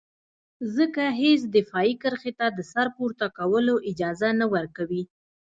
ځکه هېڅ دفاعي کرښې ته د سر پورته کولو اجازه نه ورکوي.